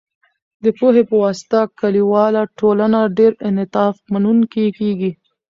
د پوهې په واسطه، کلیواله ټولنه ډیر انعطاف منونکې کېږي.